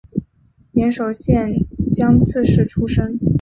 岩手县江刺市出身。